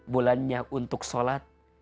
bulannya untuk sholat